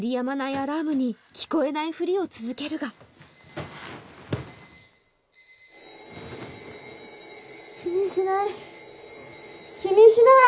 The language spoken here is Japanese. アラームに聞こえないフリを続けるが気にしない気にしない！